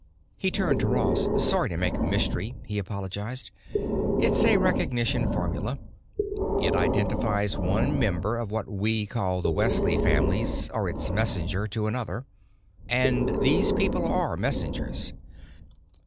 He turned to Ross. "Sorry to make a mystery," he apologized. "It's a recognition formula. It identifies one member of what we call the Wesley families, or its messenger, to another. And these people are messengers.